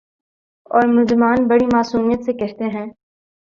اورملزمان بڑی معصومیت سے کہتے ہیں۔